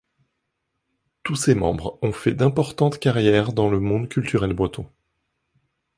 Tous ses membres ont fait d'importantes carrières dans le monde culturel breton.